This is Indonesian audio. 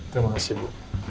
terima kasih bu